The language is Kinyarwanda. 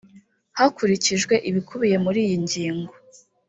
hakurikijwe ibikubiye muri iyi ngingo